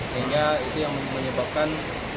sehingga itu yang menyebabkan